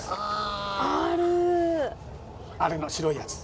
あれの白いやつ。